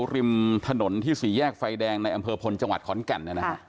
ริมถนนที่สี่แยกไฟแดงในอำเภอพลจังหวัดขอนแก่น